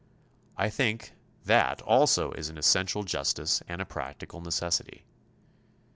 I think that also is an essential justice and a practical necessity.